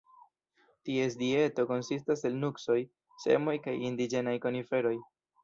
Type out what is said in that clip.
Ties dieto konsistas el nuksoj, semoj kaj indiĝenaj koniferoj.